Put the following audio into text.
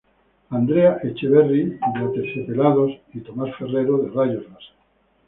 Andrea Echeverri de Aterciopelados y Tomás Ferrero de Rayos Láser.